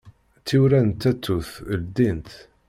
Tiwurra n tatut ldint.